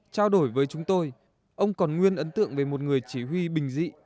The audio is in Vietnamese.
trao đổi với chúng tôi ông còn nguyên ấn tượng về một người chỉ huy bình dị